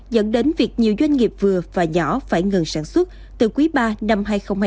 dẫn đến việc nhiều doanh nghiệp vừa và nhỏ phải ngừng sản xuất từ quý ba năm hai nghìn hai mươi